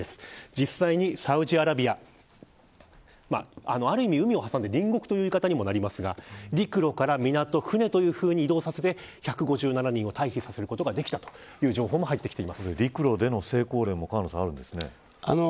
実際に、サウジアラビアある意味、海を挟んで隣国という言い方になりますが陸路から港、船と移動させて１５７人を退避させることができたという情報も入ってきています。